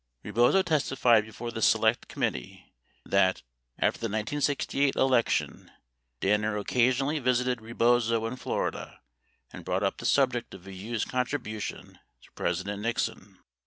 85 Rebozo testified before the Select Committee that, after the 1968 election, Danner occasionally visited Rebozo in Florida and brought up the subject of a Hughes contribution to President Nixon.